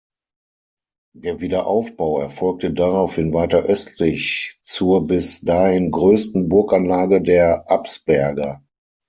Der Wiederaufbau erfolgte daraufhin weiter östlich zur bis dahin größten Burganlage der Absberger.